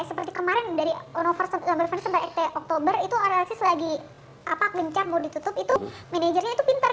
seperti kemarin dari onover sampai oktober itu ada lc lagi apa gencar mau ditutup itu manajernya itu pinter